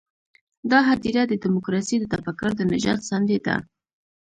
دا هدیره د ډیموکراسۍ د تفکر د نجات ساندې ده.